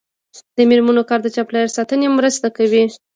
د میرمنو کار د چاپیریال ساتنې مرسته کوي.